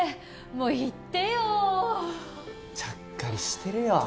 もう言ってよーちゃっかりしてるよ